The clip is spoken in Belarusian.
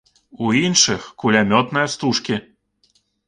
У іншых кулямётныя стужкі.